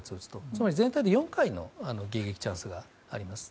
つまり全体で４回の迎撃チャンスがあります。